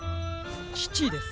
ちちです。